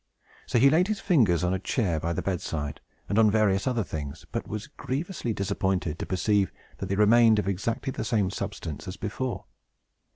So he laid his finger on a chair by the bedside, and on various other things, but was grievously disappointed to perceive that they remained of exactly the same substance as before.